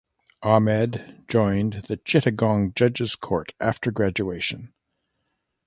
Ahmed joined the Chittagong Judges Court after graduation.